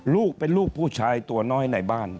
ลูกเป็นลูกผู้ชายตัวน้อยในบ้าน